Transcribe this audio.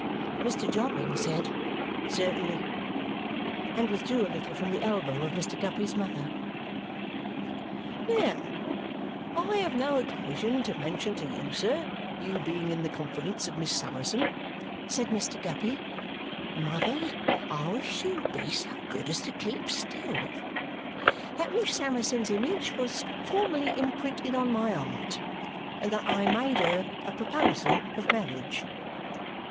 Mr. Jobling said "Certainly" and withdrew a little from the elbow of Mr Guppy's mother. "Now, I have no occasion to mention to you, sir, you being in the confidence of Miss Summerson," said Mr. Guppy, "(mother, I wish you'd be so good as to keep still), that Miss Summerson's image was formerly imprinted on my 'eart and that I made her a proposal of marriage."